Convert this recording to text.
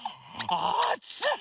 あつい！